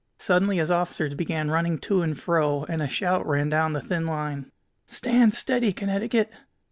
Suddenly his officers began running to and fro, and a shout ran down the thin line: "Stand steady, Connecticut!